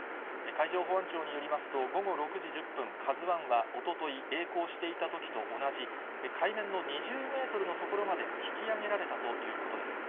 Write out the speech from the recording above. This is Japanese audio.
海上保安庁によりますと、午後６時１０分、ＫＡＺＵＩはおととい、えい航していたときと同じ、海面の２０メートルの所まで引き揚げられたということです。